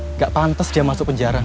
tidak pantas dia masuk penjara